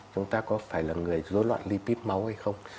chúng ta có phải là người dối loạn lipid máu hay không